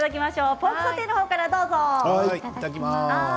ポークソテーの方からどうぞ。